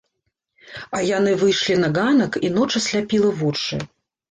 А яны выйшлі на ганак, і ноч асляпіла вочы.